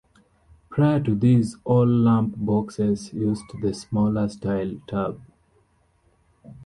Prior to this all Lamp boxes used the smaller style tab.